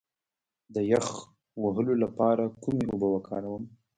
د یخ وهلو لپاره کومې اوبه وکاروم؟